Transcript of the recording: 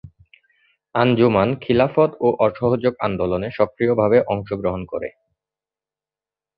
আঞ্জুমান খিলাফত ও অসহযোগ আন্দোলনে সক্রিয়ভাবে অংশগ্রহণ করে।